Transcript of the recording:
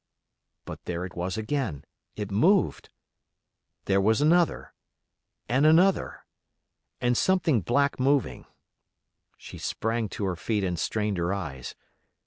But there it was again—it moved. There was another—another—and something black moving. She sprang to her feet and strained her eyes.